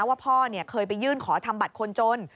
ว่าพ่อเคยไปยื่นขอทำบัตรคนจน